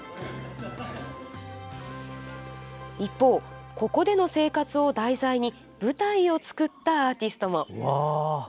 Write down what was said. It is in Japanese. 一方、ここでの生活を題材に舞台を作ったアーティストも。